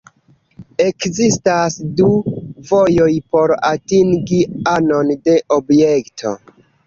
Ekzistas du vojoj por atingi anon de objekto.